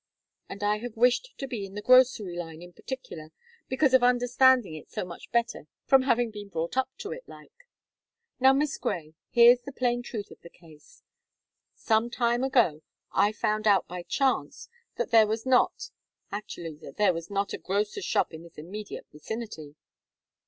And I have wished to be in the grocery line, in particular, because of understanding it so much better, from having been brought up to it, like. Now, Miss Gray, here's the plain truth of the case. Some time ago, I found out, by chance, that there was not actually, that there was not a grocer's shop in this immediate vicinity!"